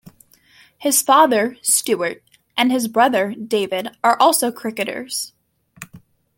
His father, Stuart, and his brother, David, are also cricketers.